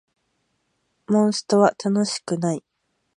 モンストは楽しくない